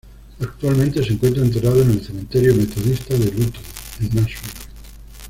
Actualmente se encuentra enterrado en el cementerio metodista de Luton en Nashville.